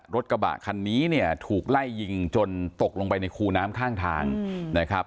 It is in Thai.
รถกระบะคันนี้เนี่ยถูกไล่ยิงจนตกลงไปในคูน้ำข้างทางนะครับ